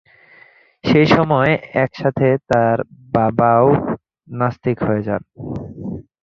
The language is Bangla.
সেইসময় একইসাথে তার বাবাও নাস্তিক হয়ে যান।